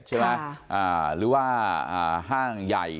หรือว่าห้างใหญ่